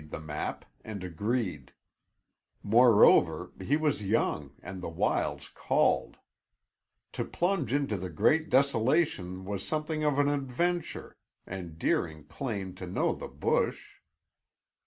Jimmy studied the map and agreed. Moreover, he was young and the wilds called. To plunge into the great desolation was something of an adventure and Deering claimed to know the bush.